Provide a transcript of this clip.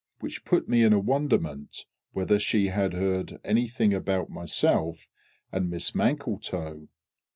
Which put me in a wonderment whether she had heard anything about myself and Miss MANKLETOW.